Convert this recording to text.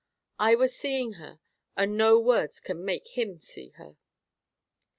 I was seeing her, and no words can make him see her.